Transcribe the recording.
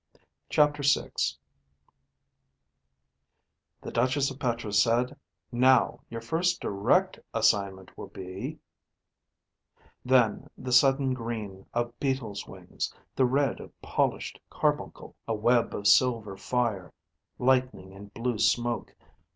CHAPTER VI The Duchess of Petra said, "Now, your first direct assignment will be ..."Then, the sudden green of beetles' wings; the red of polished carbuncle; a web of silver fire; lightning and blue smoke.